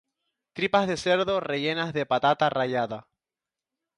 Tripas de cerdo rellenas de patata rallada.